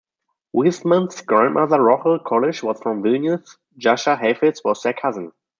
Wiseman's Grandmother Rochel Colish was from Vilnius, Jascha Heifetz was their cousin.